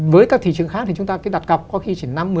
với các thị trường khác thì chúng ta cái đặt cọc có khi chỉ